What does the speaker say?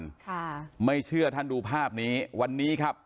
ค่ะไม่เชื่อท่านดูภาพนี้วันนี้ครับ